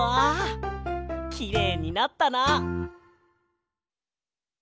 きれいになったな！